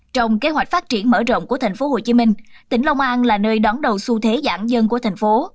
trong kế hoạch phát triển mở rộng của tp hcm tỉnh long an là nơi đón đầu xu thế giãn dân của thành phố